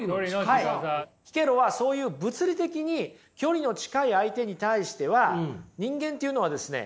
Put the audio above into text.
キケロはそういう物理的に距離の近い相手に対しては人間っていうのはですね